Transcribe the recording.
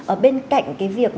ở bên cạnh cái việc